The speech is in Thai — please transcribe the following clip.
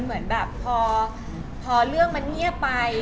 เหมือนแบบพอเรื่องมันเงียบไป